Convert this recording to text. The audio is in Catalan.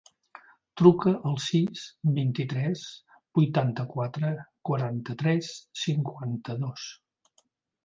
Truca al sis, vint-i-tres, vuitanta-quatre, quaranta-tres, cinquanta-dos.